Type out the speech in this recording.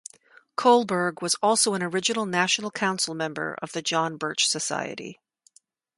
Kohlberg was also an original national council member of the John Birch Society.